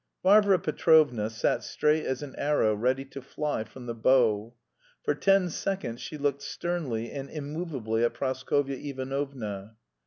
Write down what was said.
Varvara Petrovna sat straight as an arrow ready to fly from the bow. For ten seconds she looked sternly and immovably at Praskovya Ivanovna.